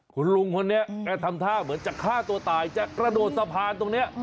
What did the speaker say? คุณลุงคนนี้แกทำท่าเหมือนจะฆ่าตัวตายจะกระโดดสะพานตรงนี้